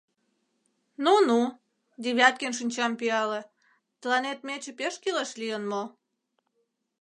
— Ну-ну, — Девяткин шинчам пӱяле, — тыланет мече пеш кӱлеш лийын мо?